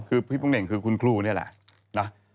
คือพี่โป่งเน่งคือคุณครูนี่แหละนะ